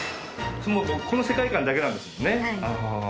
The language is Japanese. この世界観だけなんですもんね。